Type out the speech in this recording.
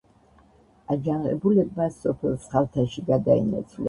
აჯანყებულებმა სოფელ სხალთაში გადაინაცვლეს.